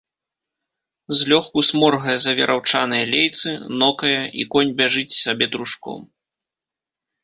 Злёгку сморгае за вераўчаныя лейцы, нокае, і конь бяжыць сабе трушком.